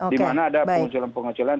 dimana ada pengocilan pengocilan